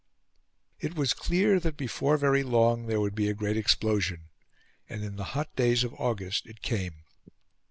It was clear that before very long there would be a great explosion; and in the hot days of August it came.